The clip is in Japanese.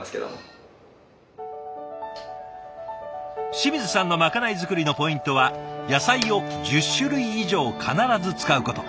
清水さんのまかない作りのポイントは野菜を１０種類以上必ず使うこと。